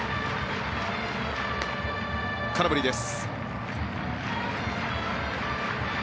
空振りです。